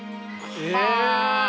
はあ！